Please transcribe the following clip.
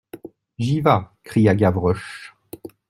J'y vas, cria Gavroche.